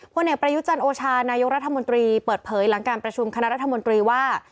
เอกประยุจันทร์โอชานายกรัฐมนตรีเปิดเผยหลังการประชุมคณะรัฐมนตรีว่า